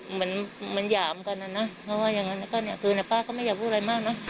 เหมือนเหมือนหยามกันนะนะเพราะว่าอย่างนั้นแล้วก็เนี่ยคือป้าก็ไม่อยากพูดอะไรมากนะ